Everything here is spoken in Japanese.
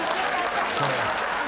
これ。